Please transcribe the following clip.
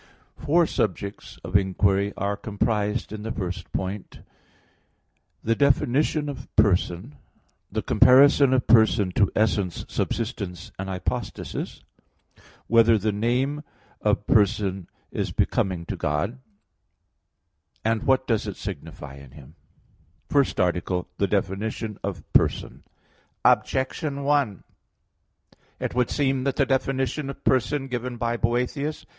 Four subjects of inquiry are comprised in the first point: (1) The definition of "person." (2) The comparison of person to essence, subsistence, and hypostasis. (3) Whether the name of person is becoming to God? (4) What does it signify in Him? _______________________ FIRST ARTICLE [I, Q. 29, Art. 1] The Definition of "Person" Objection 1: It would seem that the definition of person given by Boethius (De Duab. Nat.)